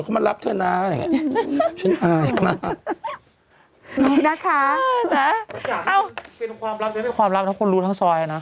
ความรับทั้งคนรู้ทั้งซอยนะ